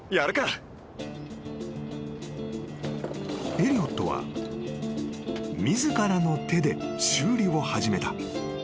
［エリオットは自らの手で修理を始めた］